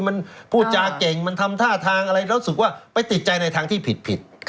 มันพูดจาเก่งมันทำท่าทางอะไรแล้วรู้สึกว่าไปติดใจในทางที่ผิด